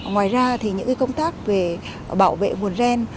ngoài ra thì những công tác về bảo vệ nguồn gen